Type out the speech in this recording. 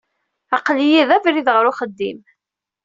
Aql-iyi d abrid ɣer uxeddim.